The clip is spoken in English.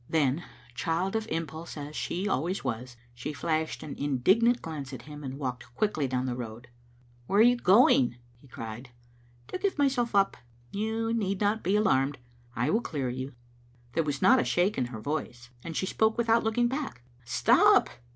Then, child of impulse as she always was, she flashed an in dignant glance at him, and walked quickly down the road. " Where are you going?" he cried. "To give myself up. You need not be alarmed; I will clear you." There was not a shake in her voice, and she spoke without looking back. "Stop!"